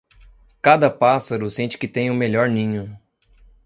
Cada pássaro sente que tem o melhor ninho.